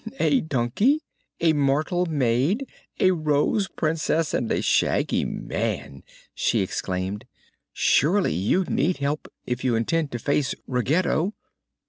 "A donkey, a mortal maid, a Rose Princess and a Shaggy Man!" she exclaimed. "Surely you need help, if you intend to face Ruggedo."